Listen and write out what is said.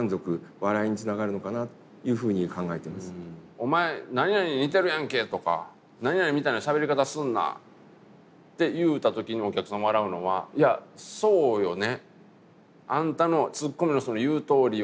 「お前何々に似てるやんけ！」とか「何々みたいな喋り方すんな！」って言うた時にお客さん笑うのはいやそうよね。